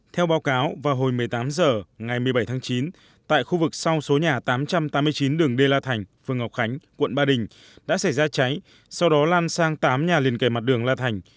theo báo cáo vào hồi một mươi tám h ngày một mươi bảy tháng chín tại khu vực sau số nhà tám trăm tám mươi chín đường đê la thành phường ngọc khánh quận ba đình đã xảy ra cháy sau đó lan sang tám nhà liền kề mặt đường la thành